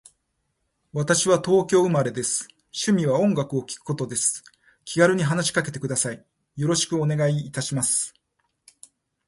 私は東京都生まれです。趣味は音楽を聴くことです。気軽に話しかけてください。よろしくお願いいたします。